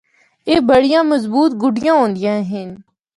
اے بڑیاں مضبوط گڈیاں ہوندیاں ہن۔